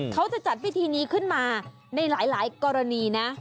เขาจะจัดพิธีนี้ขึ้นมาในหลายกรณีนะ